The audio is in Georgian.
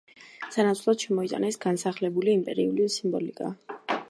სანაცვლოდ, შემოიტანეს განახლებული იმპერიული სიმბოლიკა.